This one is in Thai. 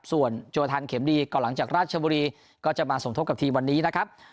ส่วนโจทันเข็มดีก่อนหลังจากราชบุรีก็จะมาสมทบกับทีมวันนี้นะครับ